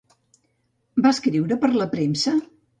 Va escriure per la premsa?